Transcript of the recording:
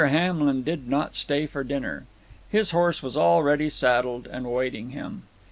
Hamlin did not stay for dinner. His horse was already saddled, and awaiting him.